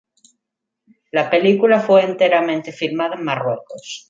La película fue enteramente filmada en Marruecos.